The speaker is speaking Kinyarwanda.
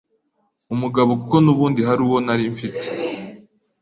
umugabo kuko nubundi hari uwo nari mfite